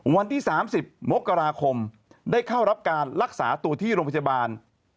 วันที่๓๐มกราคมได้เข้ารับการรักษาตัวที่โรงพยาบาล